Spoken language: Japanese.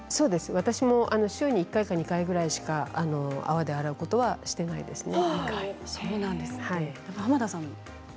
私も週２回か２回ぐらいしか泡で洗うことはしていないですね。